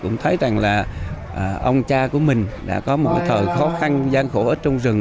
cũng thấy rằng là ông cha của mình đã có một thời khó khăn gian khổ ở trong rừng